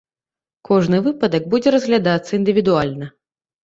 Кожны выпадак будзе разглядацца індывідуальна.